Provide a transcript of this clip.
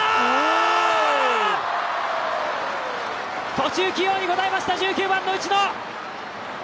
途中起用に応えました１９番の内野！